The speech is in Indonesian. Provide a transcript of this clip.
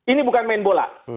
ini bukan main bola